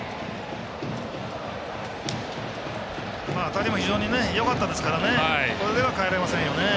当たりも非常によかったですからこれでは、かえれませんよね。